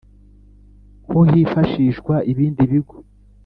ko hifashishwa ibindi bigo